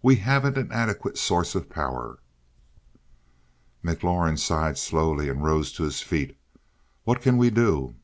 We haven't an adequate source of power." McLaurin sighed slowly, and rose to his feet. "What can we do?"